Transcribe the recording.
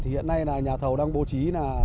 hiện nay nhà thầu đang bố trí